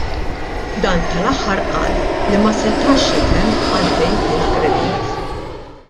Dan tal-aħħar qal li ma setax jifhem għalfejn kien aggredit.